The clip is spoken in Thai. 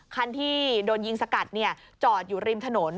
คันที่โดนยิงสกัดจอดอยู่ริมถนน